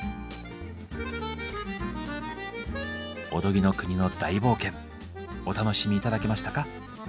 おとぎの国の大冒険お楽しみ頂けましたか？